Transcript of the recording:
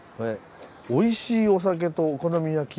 おいしいお酒とお好み焼き。